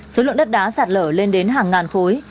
số lượng đất đá sạt lở lên đến hàng ngàn khối